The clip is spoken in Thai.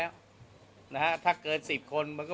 เนื่องจากว่าอยู่ระหว่างการรวมพญาหลักฐานนั่นเองครับ